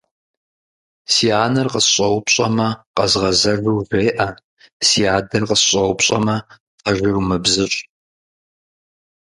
Си анэр къысщӏэупщӏэмэ, къэзгъэзэжу жеӏэ, си адэр къысщӏэупщӏэмэ, пэжыр умыбзыщӏ.